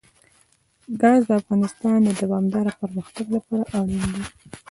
ګاز د افغانستان د دوامداره پرمختګ لپاره اړین دي.